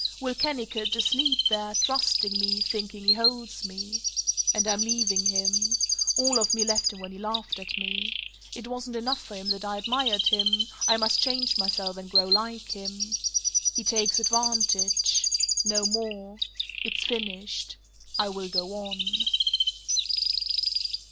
"Will Kennicott, asleep there, trusting me, thinking he holds me. And I'm leaving him. All of me left him when he laughed at me. It wasn't enough for him that I admired him; I must change myself and grow like him. He takes advantage. No more. It's finished. I will go on."